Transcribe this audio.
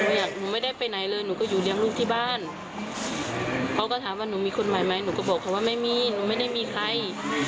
อยากหนูไม่ได้ไปไหนเลยหนูก็อยู่เลี้ยงลูกที่บ้านเขาก็ถามว่าหนูมีคนใหม่ไหมหนูก็บอกเขาว่าไม่มีหนูไม่ได้มีใคร